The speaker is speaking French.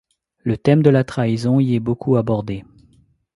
Le thème de la trahison y est beaucoup abordé.